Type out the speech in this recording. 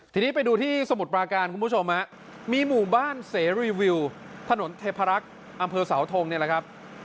ทีนี้ไปดูที่สมุทรปราการคุณผู้ชมมีหมู่บ้านเสรีวิวถนนเทพรักษ์อำเภอเสาทงนี่แหละครับ